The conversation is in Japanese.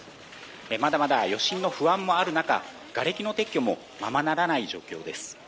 まだまだ余震の不安もある中がれきの撤去もままならない状況です。